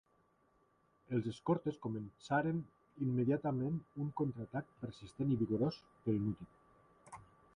Els escortes començaren immediatament un contraatac persistent i vigorós però inútil.